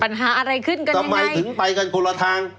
ปัญหาอะไรขึ้นก็ได้ทำไมถึงไปกันคนละทาง